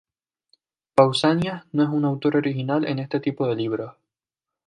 Pausanias no es un autor original en este tipo de libros.